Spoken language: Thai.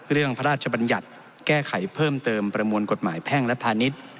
พระราชบัญญัติแก้ไขเพิ่มเติมประมวลกฎหมายแพ่งและพาณิชย์